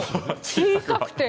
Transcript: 小さくて。